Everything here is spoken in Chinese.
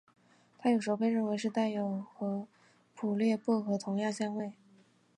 它有时候被认为是带有和普列薄荷同样香味。